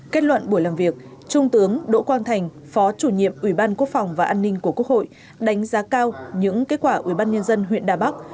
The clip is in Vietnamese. kết luận buổi làm việc trung tướng đỗ quang thành phó chủ nhiệm ủy ban quốc phòng và an ninh của quốc hội đánh giá cao những kết quả ủy ban nhân dân huyện đà bắc